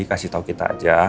kasih tahu kita saja